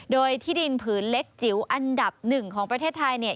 โดยที่ดินผืนเล็กจิ๋วอันดับหนึ่งของประเทศไทยเนี่ย